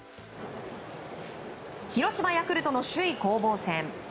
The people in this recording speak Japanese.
広島、ヤクルトの首位攻防戦。